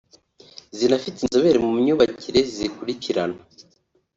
zinafite inzobere mu myabakire zizikurikirana